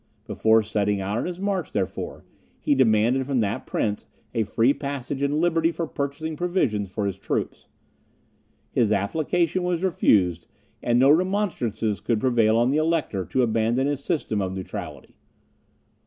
Before setting out on his march, therefore, he demanded from that prince a free passage and liberty for purchasing provisions for his troops. His application was refused, and no remonstrances could prevail on the Elector to abandon his system of neutrality.